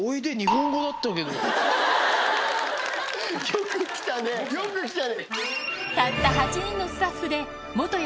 よく来たねよく来た。